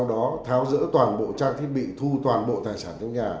để thị giá trước